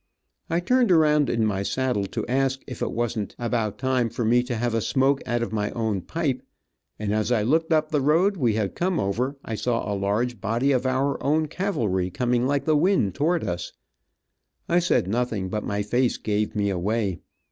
I turned around in my saddle to ask if it wasn t about time for me to have a smoke out of my own pipe, and as I looked up the road we had come over I saw a large body of our own cavalry, coming like the wind toward us. I said nothing, but my face gave me away.